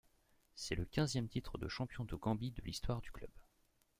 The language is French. C'est le quinzième titre de champion de Gambie de l'histoire du club.